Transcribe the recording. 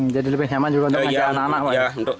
jadi lebih nyaman juga untuk anak anak